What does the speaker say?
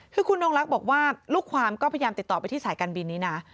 คือคุณนงลักษณ์บอกว่าลูกความก็พยายามติดต่อไปที่สายการบินนี้นะ